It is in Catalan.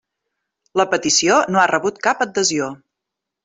La petició no ha rebut cap adhesió.